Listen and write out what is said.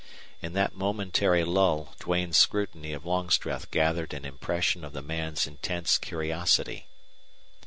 In that momentary lull Duane's scrutiny of Longstreth gathered an impression of the man's intense curiosity.